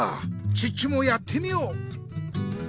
チッチもやってみよう！